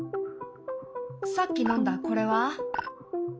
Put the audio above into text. さっき飲んだこれは？